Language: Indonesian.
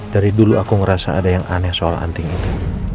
dari dulu aku ngerasa ada yang aneh soal anting itu